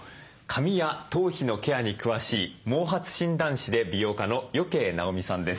髪や頭皮のケアに詳しい毛髪診断士で美容家の余慶尚美さんです。